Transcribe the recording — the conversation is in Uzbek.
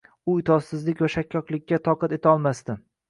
u itoatsizlik va shakkoklikka toqat etolmasdi